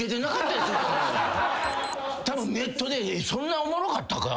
たぶんネットで「そんなおもろかったか？」